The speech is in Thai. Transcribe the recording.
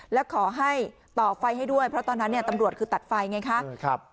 แล้วขอให้ต่อไฟให้ด้วยเพราะตอนนั้นตำรวจคือตัดไฟไงคะ